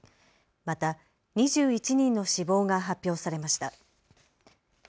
また２１人の死亡が発表されました。